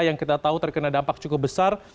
yang kita tahu terkena dampak cukup besar